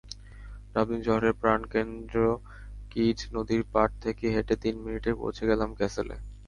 Dublin শহরের প্রাণকেন্দ্র কিজ নদীর পাড় থেকে হেঁটে তিন মিনিটে পৌঁছে গেলাম ক্যাসলে।